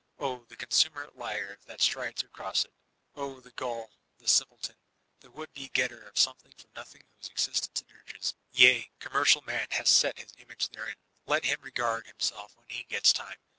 Oh, the consummate liar that strides across itl Oh, the gull, the sinqdeton, the would be getter of something for nothing whose existence it argues ! Yea, commercial man has set his image there* in; let him r^ard himself when he gets time.